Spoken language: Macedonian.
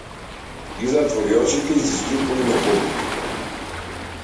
Ги затвори очите и се струполи на подот.